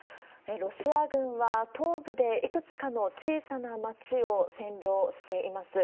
ロシア軍は東部でいくつかの小さな町を占領しています。